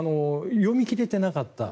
読み切れていなかった。